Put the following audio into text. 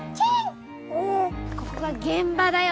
ここが現場だよ